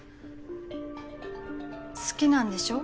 好きなんでしょ？